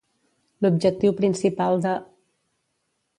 L'objectiu principal de.